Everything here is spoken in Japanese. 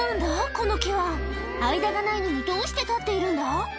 この木は間がないのにどうして立っているんだ？